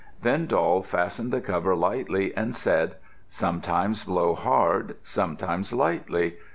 Then Doll fastened the cover lightly and said, "Sometimes blow hard, sometimes lightly.